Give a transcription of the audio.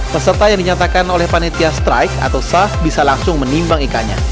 peserta yang dinyatakan oleh panitia strike atau sah bisa langsung menimbang ikannya